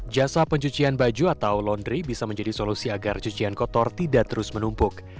jasa pencucian baju atau laundry bisa menjadi solusi agar cucian kotor tidak terus menumpuk